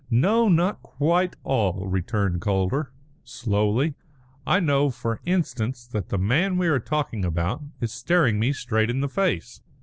"No, not quite all," returned Calder, slowly; "I know, for instance, that the man we are talking about is staring me straight in the face."